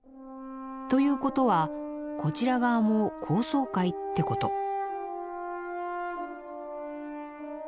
ということはこちら側も高層階ってこと。